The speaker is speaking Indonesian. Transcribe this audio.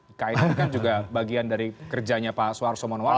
ikn ini kan juga bagian dari kerjanya pak suarso manual